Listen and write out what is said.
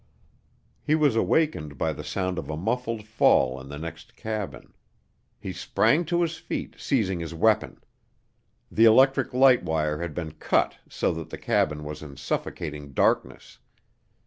He was awakened by the sound of a muffled fall in the next cabin. He sprang to his feet, seizing his weapon. The electric light wire had been cut so that the cabin was in suffocating darkness.